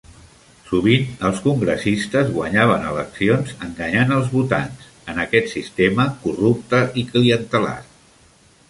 Sovint, els congressistes guanyaven eleccions enganyant els votants, en aquest sistema corrupte i clientelar.